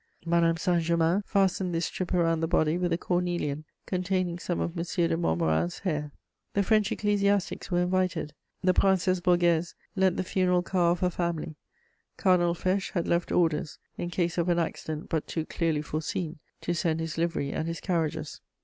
Madame Saint Germain fastened this strip around the body with a cornelian containing some of M. de Montmorin's hair. The French ecclesiastics were invited; the Princesse Borghèse lent the funeral car of her family; Cardinal Fesch had left orders, in case of an accident but too clearly foreseen, to send his livery and his carriages.